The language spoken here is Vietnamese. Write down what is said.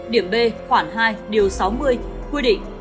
điểm b khoản hai điều sáu mươi quy định